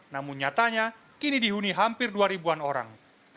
namun nyatanya kini dihuni hampir dua ribuan orang